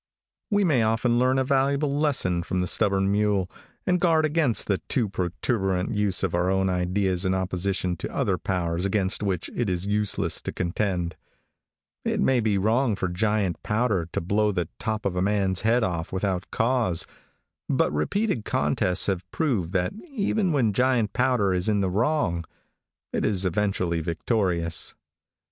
We may often learn a valuable lesson from the stubborn mule, and guard against the too protruberant use of our own ideas in opposition to other powers against which it is useless to contend. It may be wrong for giant powder to blow the top of a man's head off without cause, but repealed contests have proved that even when giant powder is in the wrong, it is eventually victorious.